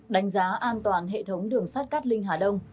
đánh giá an toàn hệ thống đường sắt cát linh hà đông